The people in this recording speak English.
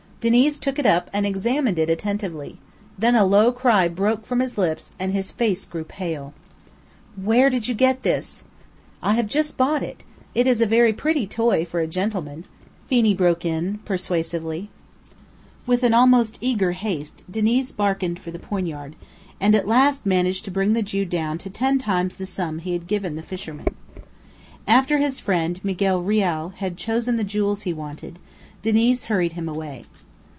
Diniz took it up and examined it attentively, then a low cry broke from his lips, and his face grew pale. "Where did you get this?" "I have just bought it. It is a very pretty toy for a gentleman," Phenee broke in persuasively. With almost eager haste Diniz bargained for the poignard, and at last managed to bring the Jew down to ten times the sum he had given the fisherman. After his friend, Miguel Reale, had chosen the jewels he wanted, Diniz hurried him away.